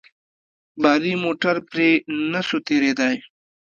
باري موټر پرې نه سو تېرېداى.